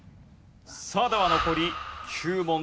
さあでは残り９問。